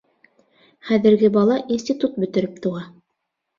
Хәҙерге бала институт бөтөрөп тыуа.